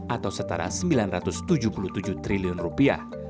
atau setara sembilan ratus tujuh puluh tujuh triliun rupiah